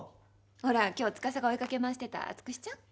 ほら今日司が追いかけ回してたつくしちゃん？